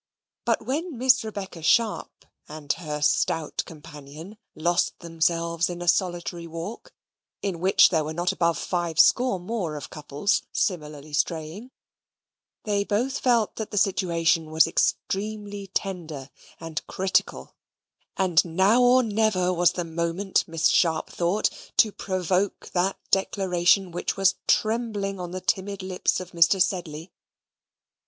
But when Miss Rebecca Sharp and her stout companion lost themselves in a solitary walk, in which there were not above five score more of couples similarly straying, they both felt that the situation was extremely tender and critical, and now or never was the moment Miss Sharp thought, to provoke that declaration which was trembling on the timid lips of Mr. Sedley.